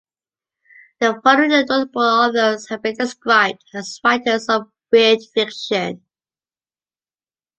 The following notable authors have been described as writers of weird fiction.